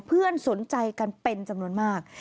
เพื่อนสนใจกันเป็นจำนวนมาก